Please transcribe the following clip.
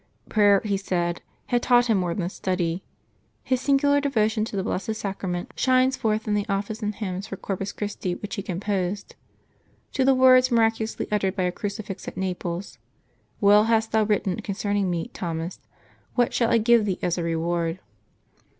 Prayer, he said, had taught him more than study. His singular devotion to the Blessed Sacra , y— *. jT^ v rf '<k JB k 100 LIVES OF THE SAINTS [March 8 ment shines forth in the Office and hymns for Corpus Christi, which he composed. To the words miraculously uttered by a crucifix at Naples, "Well hast thou written concerning Me, Thomas. What shall I give thee as a reward?"